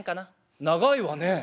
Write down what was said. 「長いわね。